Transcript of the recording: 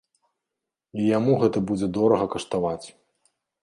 І яму гэта будзе дорага каштаваць.